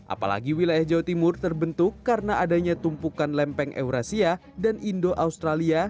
apalagi wilayah jawa timur terbentuk karena adanya tumpukan lempeng eurasia dan indo australia